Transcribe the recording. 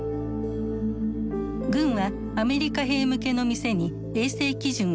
軍はアメリカ兵向けの店に衛生基準を設定。